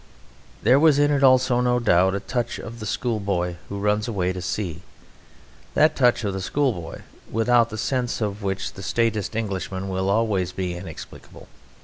There was in it also, no doubt, a touch of the schoolboy who runs away to sea that touch of the schoolboy without the sense of which the staidest Englishman will always be inexplicable.